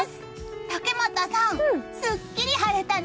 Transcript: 竹俣さん、すっきり晴れたね！